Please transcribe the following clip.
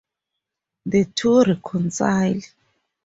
The two reconcile.